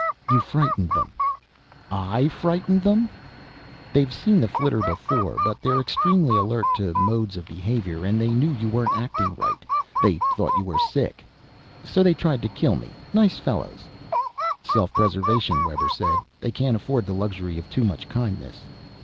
"You frightened them." "I frightened them?" "They've seen the flitter before. But they're extremely alert to modes of behavior, and they knew you weren't acting right. They thought you were sick." "So they tried to kill me. Nice fellows." "Self preservation," Webber said. "They can't afford the luxury of too much kindness."